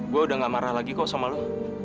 gue udah gak marah lagi kok sama lo